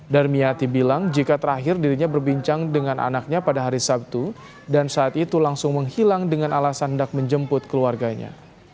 darmiati bilang jika terakhir dirinya berbincang dengan anaknya pada hari sabtu dan saat itu langsung menghilang dengan alasan hendak menjemput keluarganya